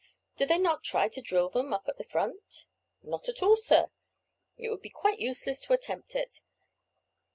"Do they not try to drill them up at the front?" "Not at all, sir. It would be quite useless to attempt it.